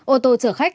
ô tô chở khách